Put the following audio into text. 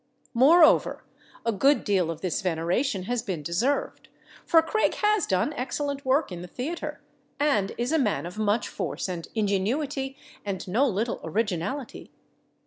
Moreover, a good deal of this veneration has been deserved, for Craig has done excellent work in the theater, and is a man of much force and ingenuity and no little originality.